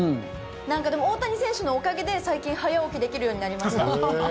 でも、大谷選手のおかげで最近、早起きできるようになりました。